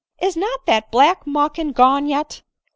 is not that black mawkin gone yet